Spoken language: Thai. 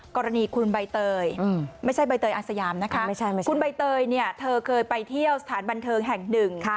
กรณีคุณใบเตยไม่ใช่ใบเตยอาสยามนะคะคุณใบเตยเนี่ยเธอเคยไปเที่ยวสถานบันเทิงแห่งหนึ่ง